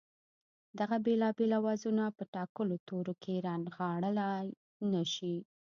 دغه بېلابېل آوازونه په ټاکلو تورو کې رانغاړلای نه شي